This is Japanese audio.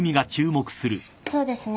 そうですね。